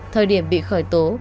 thời điểm bị khởi tố